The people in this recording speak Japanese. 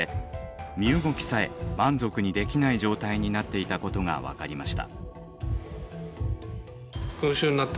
身動きさえ満足にできない状態になっていたことが分かりました。